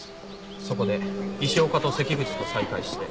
そこで石岡と関口と再会して。